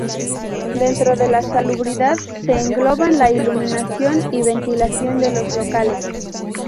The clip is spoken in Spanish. Dentro de la salubridad se engloban la iluminación y ventilación de los locales.